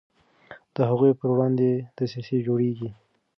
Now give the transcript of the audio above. د هغوی پر وړاندې دسیسې جوړیږي.